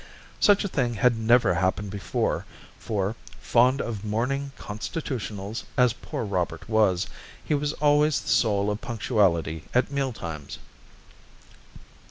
Such a thing had never happened before, for, fond of morning 'constitutionals' as poor Robert was, he was always the soul of punctuality at meal times.